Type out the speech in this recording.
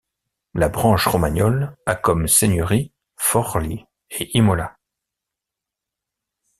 La branche romagnole a comme seigneurie Forlì et Imola.